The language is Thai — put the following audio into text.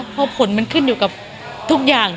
เพราะผลมันขึ้นอยู่กับทุกอย่าง